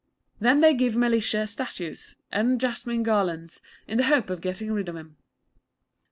Then they give Mellishe statues and jasmine garlands, in the hope of getting rid of him.